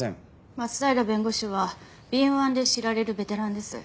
松平弁護士は敏腕で知られるベテランです。